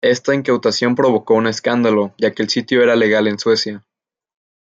Esta incautación provocó un escándalo, ya que el sitio era legal en Suecia.